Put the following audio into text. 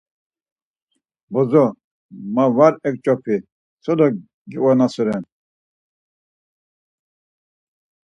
Bozo, ma var eǩç̌opi sole gionaseren.